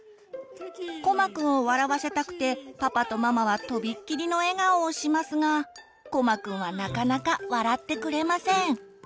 こまくんを笑わせたくてパパとママはとびっきりの笑顔をしますがこまくんはなかなか笑ってくれません。